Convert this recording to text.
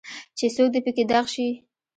چې څوک دي پکې دغ شي.